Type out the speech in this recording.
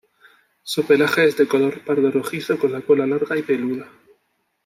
Su pelaje es de color pardo rojizo con la cola larga y peluda.